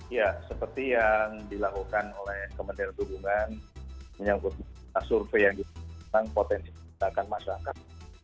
ya seperti yang dilakukan oleh kementerian perhubungan menyangkut survei yang ditentang potensi kejadian masyarakat